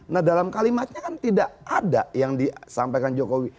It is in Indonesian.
nah dalam kalimatnya kan tidak ada yang disampaikan jokowi